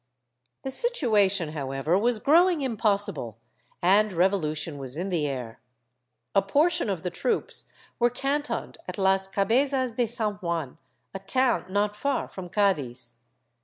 The situation, however, was growing impossible, and revolution was in the air. A portion of the troops were cantoned at las Cabezas de San Juan, a town not far from Cadiz.